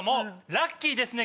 ラッキーですね